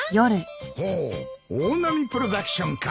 ほう大波プロダクションか。